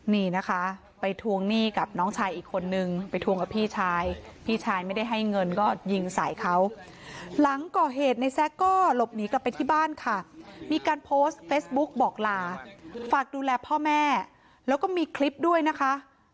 นี่นะคะไปทวงหนี้กับน้องชายอีกคนนึงไปทวงกับพี่ชายพี่ชายไม่ได้ให้เงินก็ยิงใส่เขาหลังก่อเหตุในแซ็กก็หลบหนีกลับไปที่บ้านค่ะมีการโพสต์เฟซบุ๊กบอกลาฝากดูแลพ่อแม่แล้วก็มีคลิปด้วยนะคะ